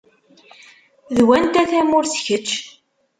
N wanta tamurt kečč?